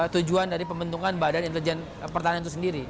tujuan dari pembentukan badan intelijen pertahanan itu sendiri